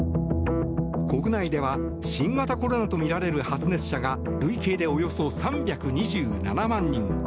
国内では新型コロナとみられる発熱者が累計でおよそ３２７万人。